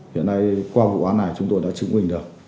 hiện nay qua vụ án này chúng tôi đã chứng minh được